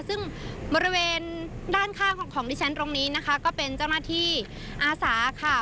ซึ่งบริเวณด้านข้างของดิฉันตรงนี้นะคะก็เป็นเจ้าหน้าที่อาสาค่ะ